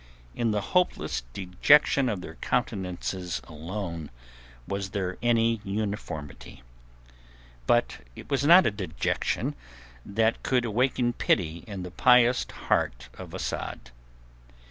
In the hopeless dejection of their countenances alone was there any uniformity. But it was not a dejection that could awaken pity in the pious heart of Asad.